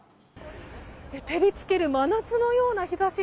照り付ける真夏のような日差し。